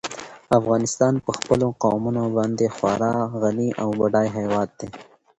افغانستان په خپلو قومونه باندې خورا غني او بډای هېواد دی.